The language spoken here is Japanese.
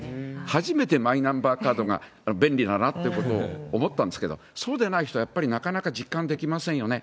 初めてマイナンバーカードが便利だなっていうことを思ったんですけど、そうじゃない人はやっぱりなかなか実感できませんよね。